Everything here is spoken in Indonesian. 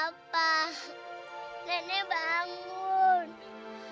jangan ditolongin putri